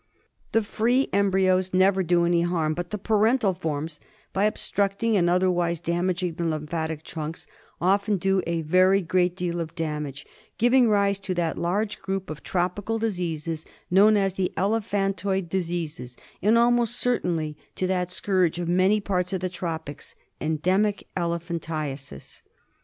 The free embryos never do any harm ; but the parental forms, by obstructing and otherwise damaging the lymph atic trunks, often do a very great deal of damage, giving rise to that large group of tropical diseases known as the elephantoid diseases, and almost certainly to that scourge of many parts of the tropics — endemic elephan tiasis.